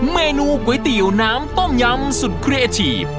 เมนูก๋วยเตี๋ยวน้ำต้มยำสุดเคลียร์ทีฟ